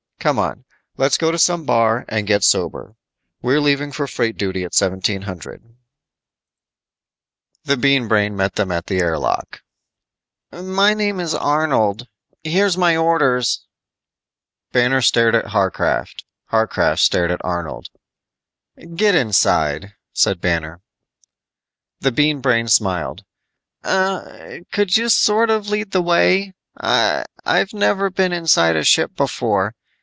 Come on. Let's go to some bar and get sober. We're leaving for freight duty at 1700." The Bean Brain met them at the air lock. "Name is Arnold. Here's my orders." Banner stared at Warcraft, Warcraft stared at Arnold. "Get inside," said Banner. The Bean Brain smiled, "Er ... could you sort of lead the way? I've never been inside a ship before.